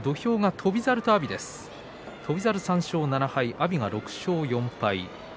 翔猿３勝７敗、阿炎６勝４敗です。